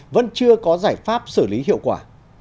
vẫn chưa có giải pháp xử lý hiệu quả